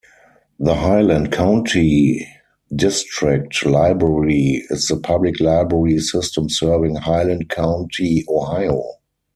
The Highland County District Library is the public library system serving Highland County, Ohio.